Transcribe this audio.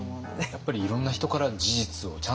やっぱりいろんな人から事実をちゃんと聞く。